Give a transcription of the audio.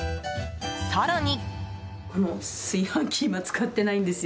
更に。